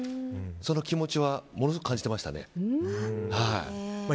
その気持ちはものすごく感じてましたね。